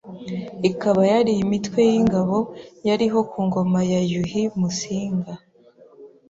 ikaba yari imitwe y’ingabo yariho ku ngoma ya Yuhi Musinga